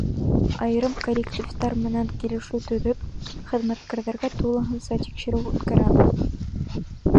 Айырым коллективтар менән килешеү төҙөп, хеҙмәткәрҙәргә тулыһынса тикшереү үткәрәбеҙ.